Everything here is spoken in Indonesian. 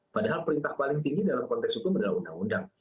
padahal perintah paling tinggi dalam konteks hukum adalah undang undang